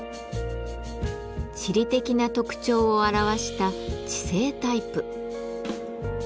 地理的な特徴を表した地勢タイプ。